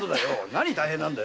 何が大変なんだ？